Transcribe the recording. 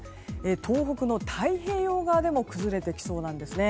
東北の太平洋側でも崩れてきそうなんですね。